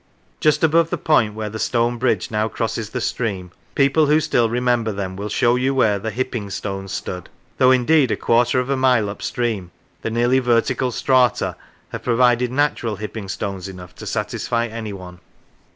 Just above the point where the stone bridge now crosses the stream, people who still remember them will show you where the hypping s tones stood, though indeed a quarter of a mile upstream the nearly vertical strata have provided natural hypping stones enough to satisfy anyone.